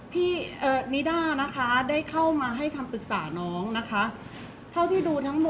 เพราะว่าสิ่งเหล่านี้มันเป็นสิ่งที่ไม่มีพยาน